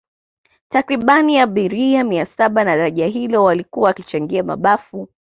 Takribani abiria mia saba wa daraja hilo walikuwa wakichangia mabafu